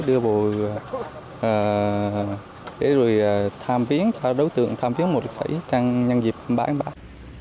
đưa bộ để rồi tham viên đấu tượng tham viên mộ liệt sĩ trong nhân dịp bãi bãi